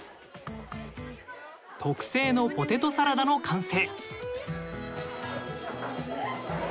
特製のポテトサラダの完成。